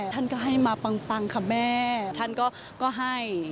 ท่านก็ให้อย่างนี้ค่ะ